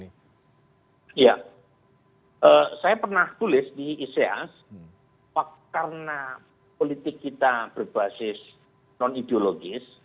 iya saya pernah tulis di ics karena politik kita berbasis non ideologis